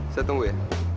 saya tunggu ya